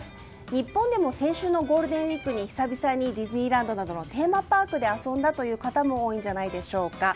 日本でも先週のゴールデンウィークに久々にディズニーランドなどのテーマパークで遊んだという方も多いんじゃないでしょうか。